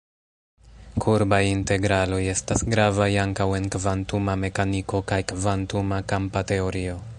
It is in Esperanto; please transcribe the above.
Kurbaj integraloj estas gravaj ankaŭ en kvantuma mekaniko kaj kvantuma kampa teorio.